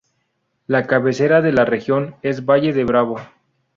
La cabecera de la región es Valle de Bravo.